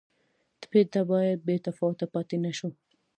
ټپي ته باید بې تفاوته پاتې نه شو.